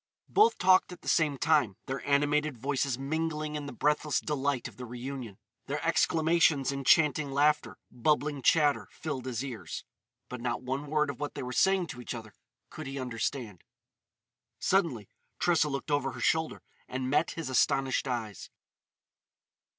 Both talked at the same time, their animated voices mingling in the breathless delight of the reunion. Their exclamations, enchanting laughter, bubbling chatter, filled his ears. But not one word of what they were saying to each other could he understand. Suddenly Tressa looked over her shoulder and met his astonished eyes.